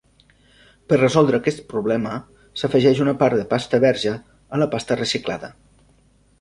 Per resoldre aquest problema, s'afegeix una part de pasta verge a la pasta reciclada.